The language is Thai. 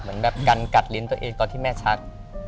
เหมือนแบบกันกัดลิ้นตัวเองตอนที่แม่ชัก